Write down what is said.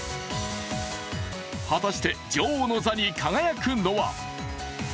果たして女王の座に輝くのは？